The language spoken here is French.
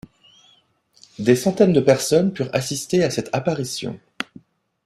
Des centaines de personnes purent assister à cette apparition.